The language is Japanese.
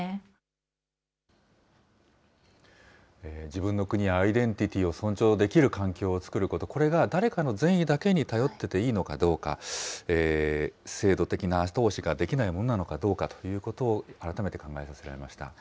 自分の国やアイデンティティーを尊重できる環境を作ること、これが誰かの善意だけに頼っていていいのか、制度的な後押しができないものなのかどうかということを改めて考えさせられました。